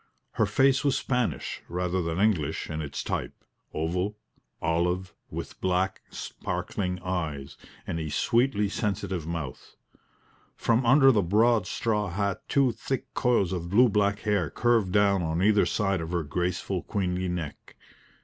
Her face was Spanish rather than English in its type oval, olive, with black, sparkling eyes, and a sweetly sensitive mouth. From under the broad straw hat two thick coils of blue black hair curved down on either side of her graceful, queenly neck.